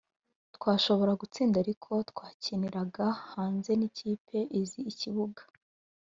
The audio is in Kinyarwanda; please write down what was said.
twashobora gutsinda ariko twakiniraga hanze n’ikipe izi ikibuga